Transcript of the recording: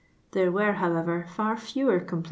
won*, however, far f:»wer com pla.